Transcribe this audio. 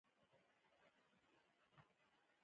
د سفر پر مهال د اوبو څښل مه هېروه.